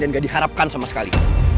dan gak diharapkan sama sekali